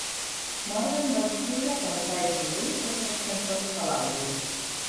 Morvan va escriure, cantar i produir totes les cançons de l'àlbum.